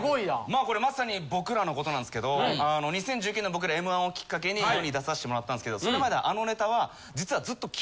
まあこれまさに僕らのことなんすけど２０１９年僕ら『Ｍ−１』をきっかけに世に出さしてもらったんすけどそれまであのネタは。